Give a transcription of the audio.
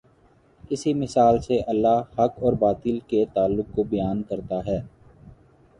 اسی مثال سے اللہ حق اور باطل کے تعلق کو بیان کرتا ہے۔